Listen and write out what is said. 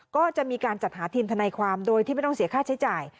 ก็จะมีการจัดหาทีมทนายความโดยที่ไม่ต้องเสียค่าใช้จ่าย